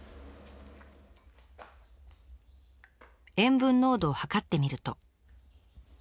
塩分濃度を測ってみると。